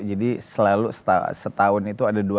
jadi selalu setahun itu ada dunia